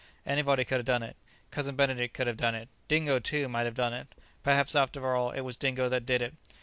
Anybody could have done it. Cousin Benedict could have done it. Dingo, too, might have done it. Perhaps, after all, it was Dingo that did it."